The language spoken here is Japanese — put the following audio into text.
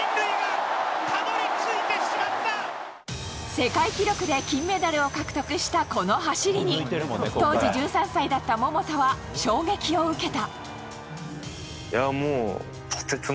世界記録で金メダルを獲得したこの走りに当時１３歳だった桃田は衝撃を受けた。